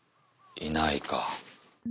いないか。